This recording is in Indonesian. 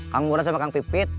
kamu udah sama kang pipit